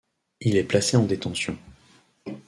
Il est placé en détention.